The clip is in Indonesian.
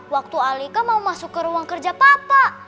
waktu alika mau masuk ke ruang kerja papa